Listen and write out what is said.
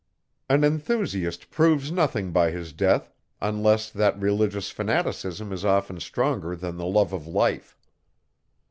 An enthusiast proves nothing by his death, unless that religious fanaticism is often stronger than the love of life.